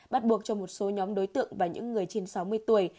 bắt buộc cho một số nhóm đối tượng và những người trên sáu mươi tuổi